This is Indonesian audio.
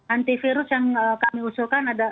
anti virus yang kami usulkan